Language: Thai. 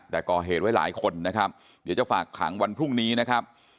แต่ก่อเหตุไว้หลายคนนะครับเดี๋ยวจะฝากขังวันพรุ่งนี้นะครับ